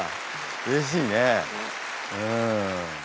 うれしいね。